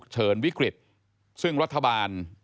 พบหน้าลูกแบบเป็นร่างไร้วิญญาณ